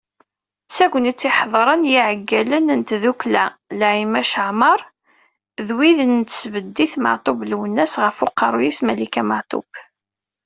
D tagnit i ḥedren yiɛeggalen, n tddukkla Laymac Aɛmaṛ d wid n tesbeddit Matub Lwennas, ɣef uqerru-is Malika Matub.